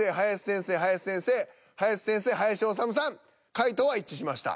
解答は一致しました。